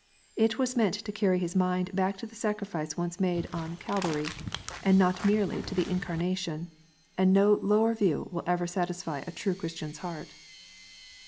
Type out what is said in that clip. It was meant to carry his mind back to the sacrifice once made on Calvary, and not merely to the incarnation ; and no lower view will ever satisfy a true Christian s heart.